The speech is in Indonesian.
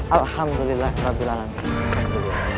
alhamdulillah rabbil alamin